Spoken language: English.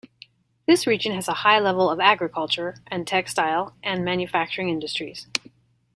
This region has a high level of agriculture and, textile and manufacturing industries.